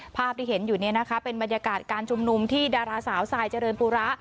ภาพที่เห็นอยู่นี้นะคะเป็นบรรยากาศการชุมนุมที่ดาราสาวทรายเจริญปูระ